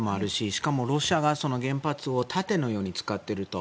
しかもロシアが原発を盾のように使っていると。